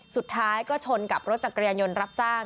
สุดท้ายก็ชนกับรถจักรยานยนต์รับจ้าง